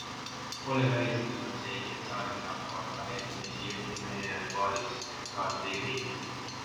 Pole välistatud seegi, et saadet hakkavad vaheldumisi juhtima erinevad paarissaatejuhid.